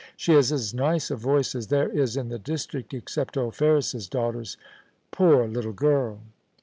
She has as nice a voice as there is in the district, except old Ferris's daughter's — poor little girl